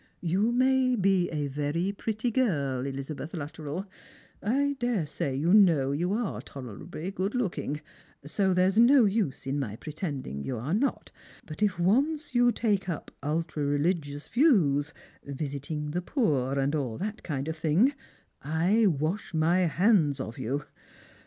You may be a very pretty girl, Elizabeth Lattrell — I dare say you know you are tolerably good looking, so there's no use in my pretending you are not — but if once you take up ultra religious views, visiting the poor, and all that kind of thing, I wash my hands of you.